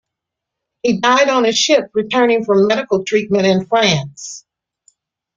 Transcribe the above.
He died on a ship returning from medical treatment in France.